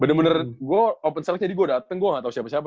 bener bener gue open selnya jadi gue dateng gue gak tau siapa siapa